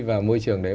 và môi trường đấy